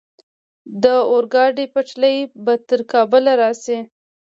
د اورګاډي پټلۍ به تر کابل راشي؟